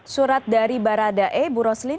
surat dari baradei ibu roslin